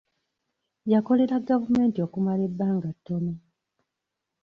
Yakolera gavumenti okumala ebbanga ttono.